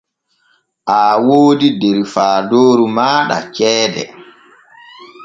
Aa woodi der faadooru maaɗa ceede.